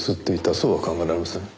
そうは考えられません？